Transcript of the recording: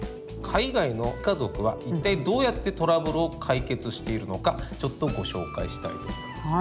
海外の家族は一体どうやってトラブルを解決しているのかちょっとご紹介したいと思います。